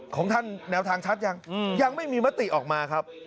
ของท่านแนวทางชัดยังยังไม่มีมติออกมาครับ